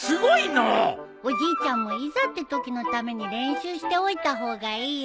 おじいちゃんもいざってときのために練習しておいた方がいいよ。